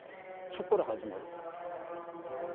そっから始まるわけ。